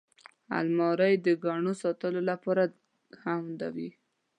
الماري د ګاڼو ساتلو لپاره هم وي